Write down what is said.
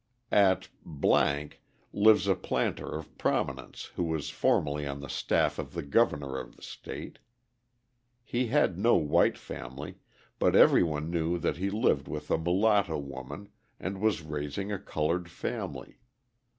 At lives a planter of prominence who was formerly on the staff of the governor of the state. He had no white family, but everyone knew that he lived with a mulatto woman and was raising a coloured family.